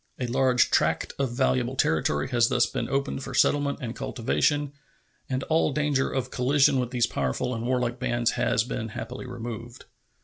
A large tract of valuable territory has thus been opened for settlement and cultivation, and all danger of collision with these powerful and warlike bands has been happily removed.